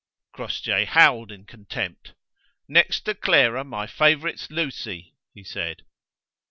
Crossjay howled in contempt. "Next to Clara, my favourite's Lucy," he said.